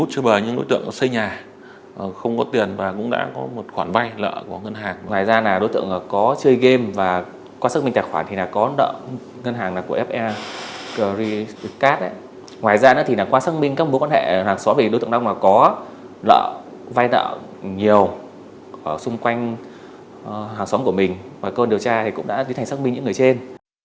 còn điều tra thì cũng đã diễn thành xác minh những người trên